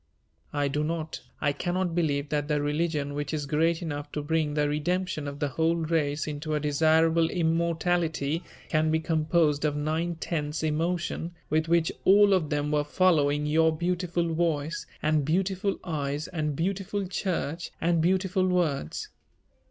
I do not, I cannot believe that the religion which is great enough to bring the redemption of the whole race into a desirable immortality can be composed of nine tenths emotion, with which all of them were following your beautiful voice and beautiful eyes and beautiful church and beautiful words.